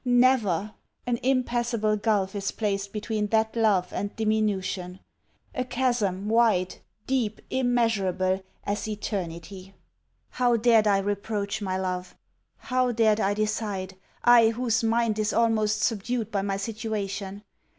Never! An impassable gulph is placed between that love and diminution. A chasm wide, deep, immeasurable, as eternity! How dared I reproach my love! How dared I decide, I whose mind is almost subdued by my situation!